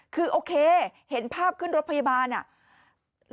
คือโอเคเห็นภาพขึ้นรถพยาบาลอ่ะ